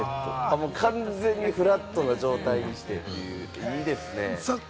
完全にフラットな状態にしてという、いいですね。